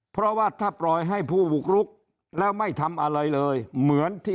เพราะว่าถ้าปล่อยให้ผู้บุกรุกแล้วไม่ทำอะไรเลยเหมือนที่